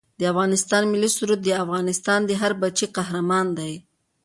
د افغانستان ملي سرود دا افغانستان دی هر بچه یې قهرمان دی